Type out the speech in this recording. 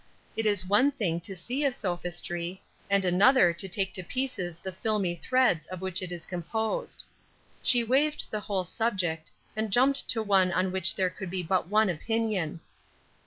It is one thing to see a sophistry, and another to take to pieces the filmy threads of which it is composed. She waived the whole subject, and jumped to one on which there could be but one opinion.